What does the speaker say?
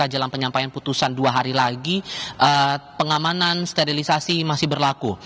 jelang penyampaian putusan dua hari lagi pengamanan sterilisasi masih berlaku